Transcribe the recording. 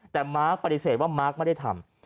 แต่มาร์คปฏิเสธว่ามาร์คไม่ได้ทำ